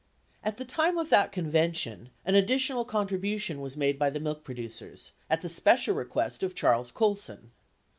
At the time of that convention, an additional contribution was made by the milk producers — at the special request of Charles Colson.